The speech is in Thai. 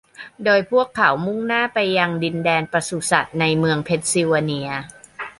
โดยพวกเขามุ่งหน้าไปยังดินแดนปศุสัตว์ในเมืองเพนซิลเวเนีย